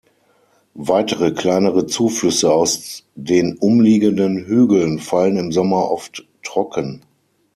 Weitere kleinere Zuflüsse aus den umliegenden Hügeln fallen im Sommer oft trocken.